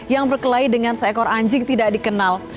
yang berkelahi dengan seekor anjing tidak dikenal